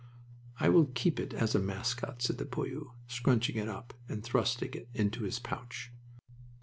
"I will keep it as a mascot," said the poilu, scrunching it up and thrusting it into his pouch.